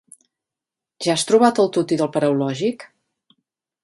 Ja has trobat el tutti del Paraulògic?